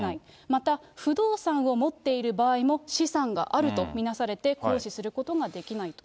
また、不動産を持っている場合も、資産があると見なされて、行使することができないと。